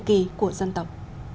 và kỳ kỳ của dân tộc